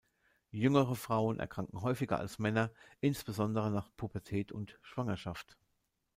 Jüngere Frauen erkranken häufiger als Männer, insbesondere nach Pubertät und Schwangerschaft.